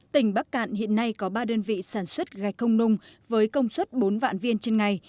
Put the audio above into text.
tỉnh bắc cạn hiện nay có ba đơn vị sản xuất gạch không nung với công suất bốn vạn viên trên ngày